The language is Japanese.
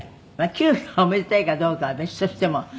「９がおめでたいかどうかは別としても」